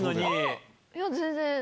いや全然。